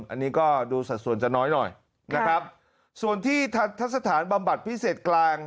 อันนี้ก็ดูสัดส่วนจะน้อยหน่อยนะครับส่วนที่ทัศนบำบัดพิเศษกลาง